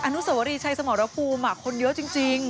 นุสวรีชัยสมรภูมิคนเยอะจริง